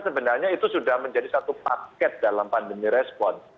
sebenarnya itu sudah menjadi satu paket dalam pandemi respon